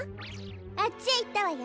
あっちへいったわよ。